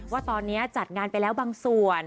ว่าตอนนี้จัดงานไปแล้วบางส่วน